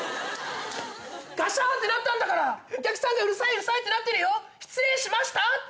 ガシャンってなったんだからお客さんがうるさいうるさいってなってるよ失礼しましたって。